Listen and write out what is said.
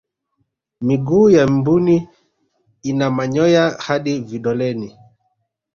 miguu ya mbuni ina manyoya hadi vidoleni